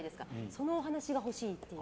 そのお話が欲しいっていう。